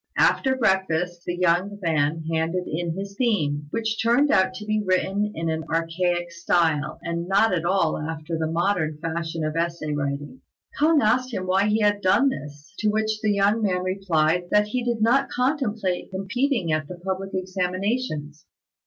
After breakfast, the young man handed in his theme, which turned out to be written in an archaic style, and not at all after the modern fashion of essay writing. K'ung asked him why he had done this, to which the young man replied that he did not contemplate competing at the public examinations.